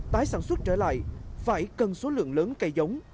tái sản xuất trở lại phải cần số lượng lớn cây giống